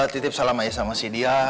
titip salam aja sama si dia